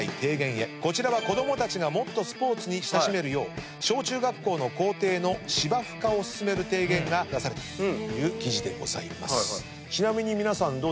こちらは子供たちがもっとスポーツに親しめるよう小中学校の校庭の芝生化を進める提言が出されたという記事です。